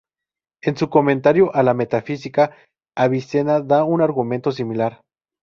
En su comentario a la "Metafísica", Avicena da un argumento similar.